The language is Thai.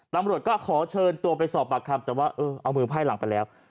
ตำรวจก็ขอเชิญตัวไปสอบปากคำแต่ว่าเออเอามือไพ่หลังไปแล้ว